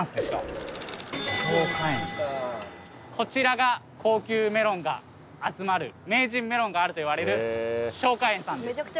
こちらが高級メロンが集まる名人メロンがあるといわれる。